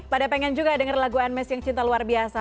pada pengen juga denger lagu anmes yang cinta luar biasa